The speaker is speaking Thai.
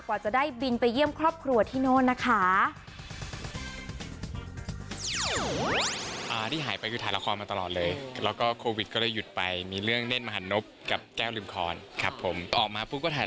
กว่าจะได้บินไปเยี่ยมครอบครัวที่โน่นนะคะ